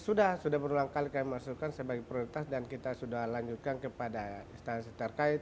sudah sudah berulang kali kami masukkan sebagai prioritas dan kita sudah lanjutkan kepada instansi terkait